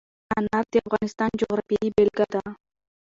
انار د افغانستان د جغرافیې بېلګه ده.